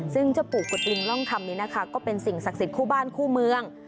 ซึ่งเจ้าปู่กุฎลิงร่องคำนี้นะคะก็เป็นสิ่งศักดิ์สิทธิคู่บ้านคู่เมือง